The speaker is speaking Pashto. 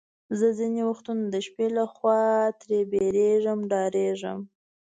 زه ځینې وختونه د شپې له خوا ترې بیریږم، ډارېږم.